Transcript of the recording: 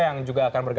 yang juga akan berkongsi